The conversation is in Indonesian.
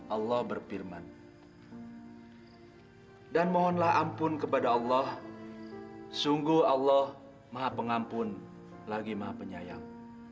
allah berfirman dan mohonlah ampun kepada allah sungguh allah maha pengampun lagi maha penyayang